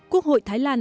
quốc hội thái lan